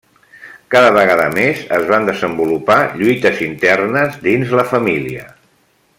Cada vegada més es van desenvolupar lluites internes dins la família.